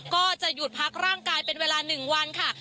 ก็จะหยุดพักร่างกายเป็นเวลา๑วันค่ะ